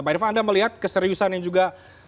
pak irvan anda melihat keseriusan yang juga